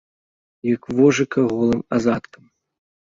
Як вожыка голым азадкам.